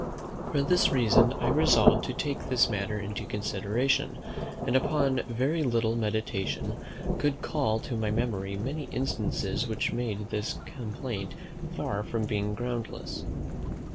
For this reason, I resolved to take this matter into consideration; and, upon very little meditation, could call to my memory many instances which made this complaint far from being groundless.